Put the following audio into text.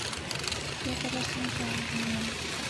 Петыре шинчам, Юмем.